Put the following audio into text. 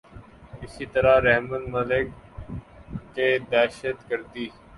اسی طرح رحمان ملک کی دہشت گردی